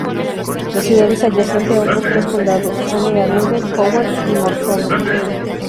La ciudad es adyacente a otros tres condados: Anne Arundel, Howard y Montgomery.